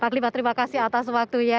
pak klipat terima kasih atas waktunya